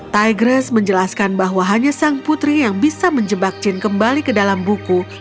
tie grace menjelaskan bahwa hanya sang putri yang bisa menjebak jin kembali ke dalam buku